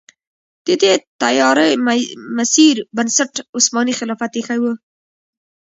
د دې تیاره مسیر بنسټ عثماني خلافت ایښی و.